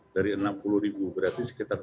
dari enam puluh ribu berarti sekitar dua puluh ribu